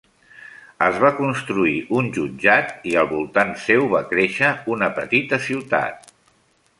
Es va construir un jutjat i al voltant seu va créixer una petita ciutat.